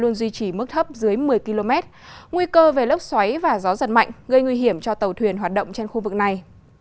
nguy cơ về lốc xoáy và gió giật mạnh gây nguy hiểm cho tàu thuyền hoạt động trên khu vực này